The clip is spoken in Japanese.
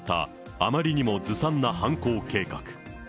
あまりにもずさんな犯行計画。